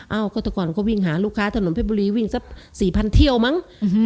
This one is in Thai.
เอ้าก็แต่ก่อนก็วิ่งหาลูกค้าถนนเพชรบุรีวิ่งสัก๔๐๐เที่ยวมั้ง